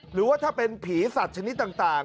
หรือว่าถ้าเป็นผีสัตว์ชนิดต่าง